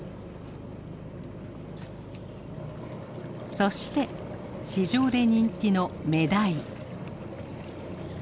そして市場で人気のメダイ。